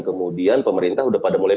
kemudian pemerintah sudah pada mulai